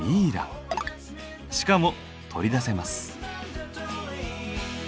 しかも取り出せます。